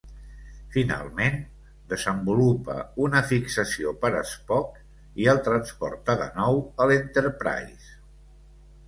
Finalment, desenvolupa una fixació per Spock i el transporta de nou a "l'Enterprise".